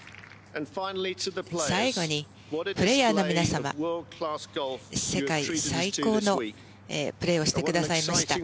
最後に、プレーヤーの皆様世界最高のプレーをしてくださいました。